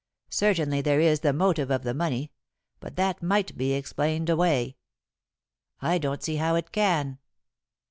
Certainly there is the motive of the money, but that might be explained away." "I don't see how it can."